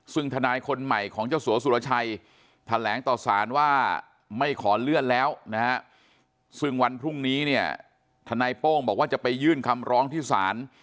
ซึ่งทนายคนใหม่ของเจ้าสัวสุรชัยแถลงต่อสารว่าไม่ขอเลื่อนแล้วนะฮะซึ่งวันพรุ่งนี้เนี่ยทนายโป้งบอกว่าจะไปยื่นคำร้องที่ศาล